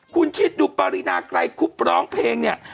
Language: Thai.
คุณคิดดูปรินาไกรคุบร้องเพลงเนี่ย